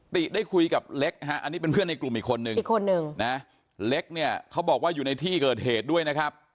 ติได้คุยกับเล็กฮะอันนี้เป็นเพื่อนในกลุ่มอีกคนนึงอีกคนนึงนะเล็กเนี่ยเขาบอกว่าอยู่ในที่เกิดเหตุด้วยนะครับ